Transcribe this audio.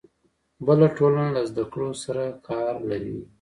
بله ټولنه له زده کړو سره کار لري.